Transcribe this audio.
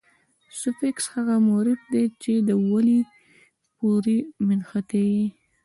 سوفیکس هغه مورفیم دئ، چي د ولي پوري مښتي يي.